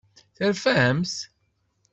Terfamt?